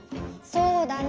そうだね！